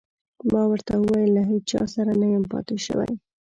ما ورته وویل: له هیڅ چا سره نه یم پاتې شوی.